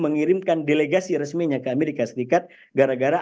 nah sahabat michael miller